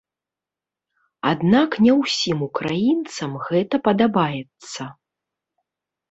Аднак не ўсім украінцам гэта падабаецца.